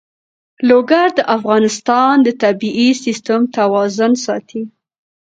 لوگر د افغانستان د طبعي سیسټم توازن ساتي.